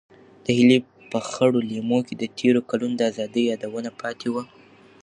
د هیلې په خړو لیمو کې د تېرو کلونو د ازادۍ یادونه پاتې وو.